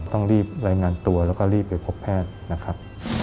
ต้องรีบรายงานตัวแล้วก็รีบไปพบแพทย์นะครับ